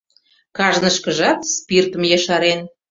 Кажнышкыжат спиртым ешарен.